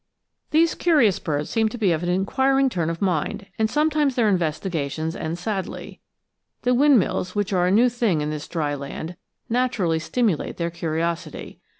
These curious birds seem to be of an inquiring turn of mind, and sometimes their investigations end sadly. The windmills, which are a new thing in this dry land, naturally stimulate their curiosity.